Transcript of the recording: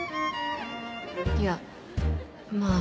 いやまあ。